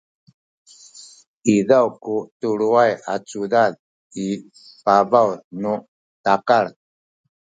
izaw ku tuluay a cudad i pabaw nu takal